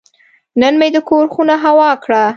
نن مې د کور خونه هوا کړه.